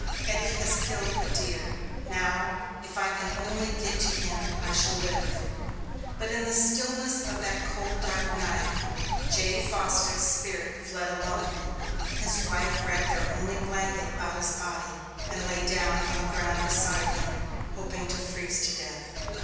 Eddy has killed a deer! Now, if I can only get to him I shall live!" But in the stillness of that cold, dark night, Jay Fosdick's spirit fled alone. His wife wrapped their only blanket about his body, and lay down on the ground beside him, hoping to freeze to death.